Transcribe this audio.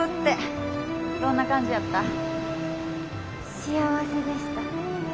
幸せでした。